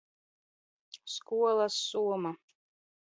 Skolas soma